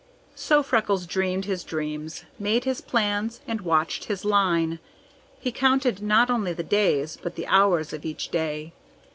So Freckles dreamed his dreams, made his plans, and watched his line. He counted not only the days, but the hours of each day.